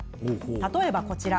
例えば、こちら。